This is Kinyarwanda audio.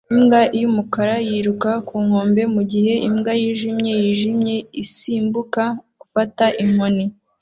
Imbwa y'umukara yiruka ku nkombe mugihe imbwa yijimye yijimye isimbuka gufata inkoni